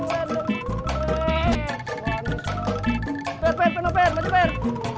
per per penumpang per